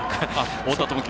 太田智樹